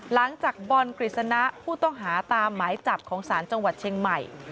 หลังจากบอลกฤษณะผู้ต้องหาตามหมายจับของศาลจังหวัดเชียงใหม่